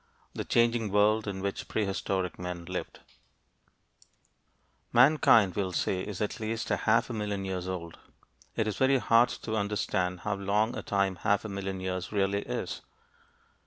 THE CHANGING WORLD in which Prehistoric Men Lived Mankind, we'll say, is at least a half million years old. It is very hard to understand how long a time half a million years really is.